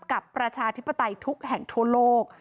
กับประชาธิปไตทุกข์แห่งทั่วโลก